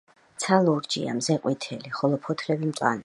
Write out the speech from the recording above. ცა ლურჯია, მზე ყვითელი, ხოლო ფოთლები მწვანე.